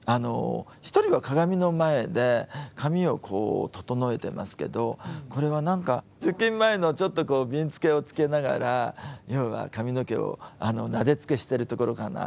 １人は鏡の前で髪を整えてますけどこれは何か出勤前のちょっとこうびんつけをつけながら要は髪の毛をなでつけしてるところかな。